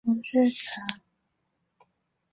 病愈后的患者通常对该疾病会产生免疫抗性。